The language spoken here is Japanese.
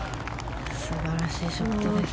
素晴らしいショットですね。